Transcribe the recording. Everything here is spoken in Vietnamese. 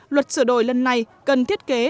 luật sửa đổi lần này cần thiết kế